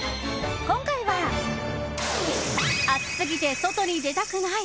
今回は暑すぎて外に出たくない。